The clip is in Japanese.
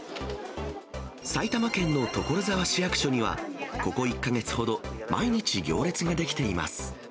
埼玉県の所沢市役所には、ここ１か月ほど、毎日、行列が出来ています。